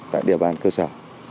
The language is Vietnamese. tại địa bàn cơ sở